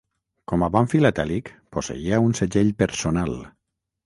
Com a bon filatèlic, posseïa un segell personal.